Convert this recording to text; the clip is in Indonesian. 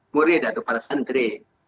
murid atau para sentri